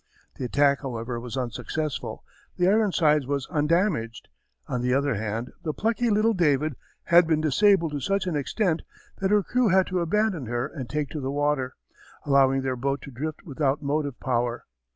The attack, however, was unsuccessful. The Ironsides was undamaged. On the other hand the plucky little David had been disabled to such an extent that her crew had to abandon her and take to the water, allowing their boat to drift without motive power.